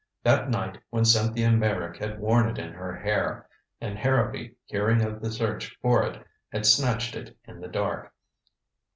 That night when Cynthia Meyrick had worn it in her hair, and Harrowby, hearing of the search for it had snatched it in the dark.